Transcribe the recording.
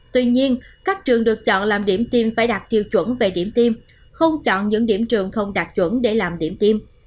tuy nhiên các trường được chọn làm điểm tiêm phải đạt tiêu chuẩn về điểm tiêm không chọn những điểm trường không đạt chuẩn để làm điểm tiêm